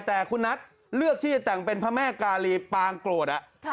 แต่คุณนัทเลือกที่จะแต่งเป็นพระแม่กาลีปางโกรธ